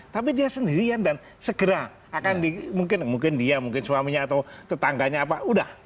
tapi dia sendirian dan segera akan di mungkin dia mungkin suaminya atau tetangganya apa udah